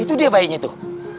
itu dia bayinya tuh